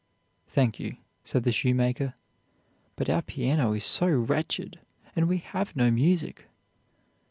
"'Thank you,' said the shoemaker, 'but our piano is so wretched, and we have no music.'